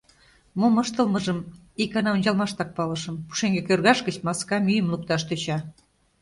Мом ыштылмыжым икана ончалмаштак палышым: пушеҥге кӧргаш гыч маска мӱйым лукташ тӧча.